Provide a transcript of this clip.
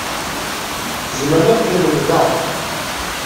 Zemren ad qqimen da.